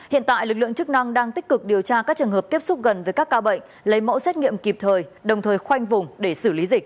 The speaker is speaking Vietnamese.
hiện tại lực lượng chức năng đang tích cực điều tra các trường hợp tiếp xúc gần với các ca bệnh lấy mẫu xét nghiệm kịp thời đồng thời khoanh vùng để xử lý dịch